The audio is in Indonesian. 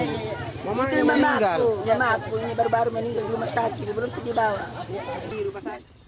itu emakku emakku ini baru baru menikmati rumah sakit belum pergi bawa